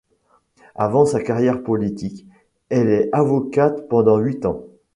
Avant sa carrière politique, elle est avocate pendant huit ans.